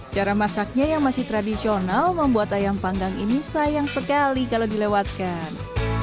cara masaknya yang masih tradisional membuat ayam panggang ini sayang sekali kalau dilewatkan